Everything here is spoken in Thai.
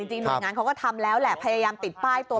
หน่วยงานเขาก็ทำแล้วแหละพยายามติดป้ายตัว